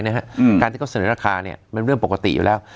การที่เขาเสนอราคาเป็นเรื่องปกติอยู่แล้ว